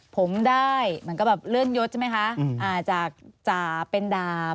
ผมได้มันก็แบบเลื่อนยดใช่ไหมคะจากจาเป็นดาบ